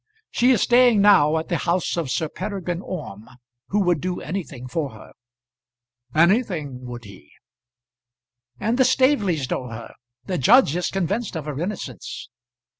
She is staying now at the house of Sir Peregrine Orme, who would do anything for her." "Anything, would he?" "And the Staveleys know her. The judge is convinced of her innocence."